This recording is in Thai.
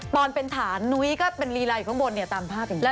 ตอนเป็นฐานนุ้ยก็เป็นลีลาอยู่ข้างบนเนี่ยตามภาพอย่างนี้